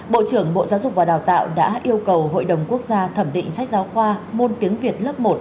bộ trưởng bộ giáo dục và đào tạo đã yêu cầu hội đồng quốc gia thẩm định sách giáo khoa môn tiếng việt lớp một